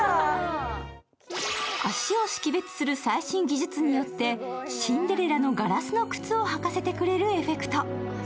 足を識別する最新技術によってシンデレラのガラスの靴を履かせてくれるエフェクト。